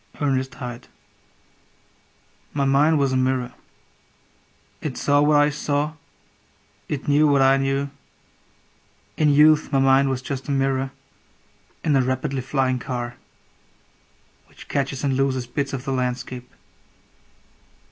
Ernest Hyde My mind was a mirror: It saw what it saw, it knew what it knew. In youth my mind was just a mirror In a rapidly flying car, Which catches and loses bits of the landscape.